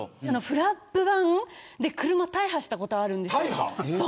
フラップ板で車が大破したことあるんです。